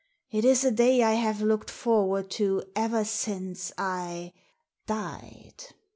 It is a day I have looked forward to ever since I — died.